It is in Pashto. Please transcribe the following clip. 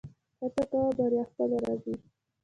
هڅه کوه بریا خپله راځي